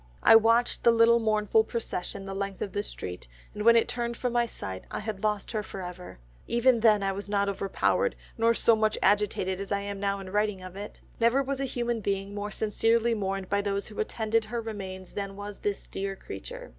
I watched the little mournful procession the length of the street, and when it turned from my sight, and I had lost her for ever, even then I was not over powered, nor so much agitated as I am now in writing of it. Never was a human being more sincerely mourned by those who attended her remains than was this dear creature.